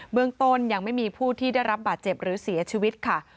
เมืองต้นยังไม่มีผู้ที่ได้รับบาดเจ็บหรือเสียชีวิตค่ะ